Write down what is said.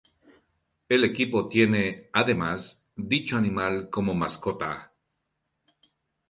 El equipo tiene, además, dicho animal como mascota.